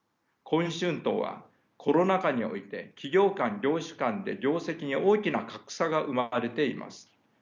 今春闘はコロナ禍において企業間業種間で業績に大きな格差が生まれています。